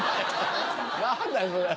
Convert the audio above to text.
何だよそれ。